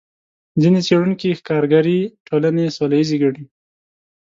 ځینې څېړونکي ښکارګرې ټولنې سوله ییزې ګڼي.